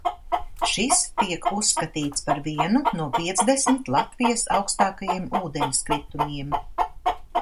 Šis tiek uzskatīts par vienu no piecdesmit Latvijas augstākajiem ūdenskritumiem.